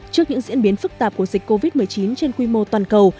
trước những diễn biến phức tạp của dịch covid một mươi chín trên quy mô toàn cầu